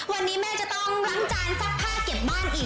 วันนี้แม่จะต้องล้างจานซักผ้าเก็บบ้านอีก